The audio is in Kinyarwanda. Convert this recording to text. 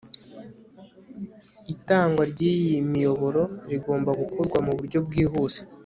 itangwa ry'iyi miyoboro rigomba gukorwa mu buryo bwihuse